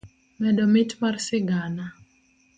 medo mit mar sigana.